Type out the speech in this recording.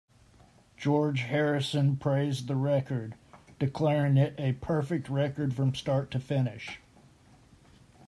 George Harrison praised the record, declaring it a perfect record from start to finish.